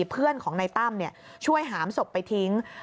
เพื่อนของในตั้มเนี่ยช่วยหามศพไปทิ้ง